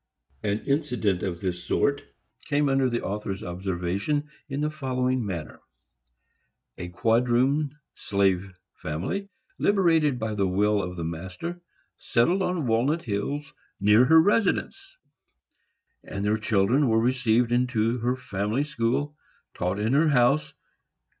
An incident of this sort came under the author's observation in the following manner: A quadroon slave family, liberated by the will of the master, settled on Walnut Hills, near her residence, and their children were received into her family school, taught in her house.